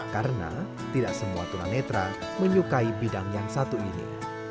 karena tidak semua tunanetra menyukai bidang yang satu ini